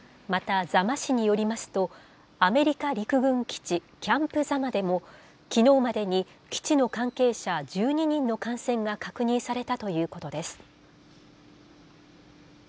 また座間市によりますと、アメリカ陸軍基地キャンプ座間でも、きのうまでに基地の関係者１２人の感染が確認されたということです。